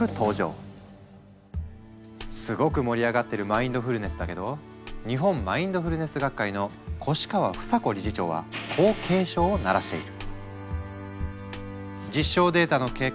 すごく盛り上がってるマインドフルネスだけど日本マインドフルネス学会の越川房子理事長はこう警鐘を鳴らしている。